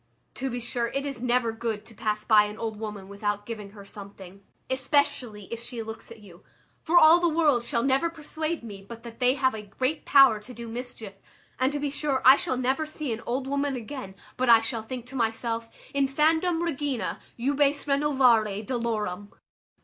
To be sure it is never good to pass by an old woman without giving her something, especially if she looks at you; for all the world shall never persuade me but that they have a great power to do mischief, and to be sure I shall never see an old woman again, but I shall think to myself, _Infandum, regina, jubes renovare dolorem.